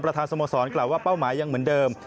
ประธานสมสรรค์กล่าวว่าเป้าหมายยังเหมือนเดิม